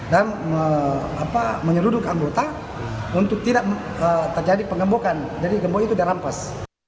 dan menyeluduk anggota untuk tidak terjadi penggembokan jadi gembok itu di rampas